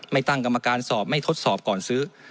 ตั้งกรรมการสอบไม่ทดสอบก่อนซื้อ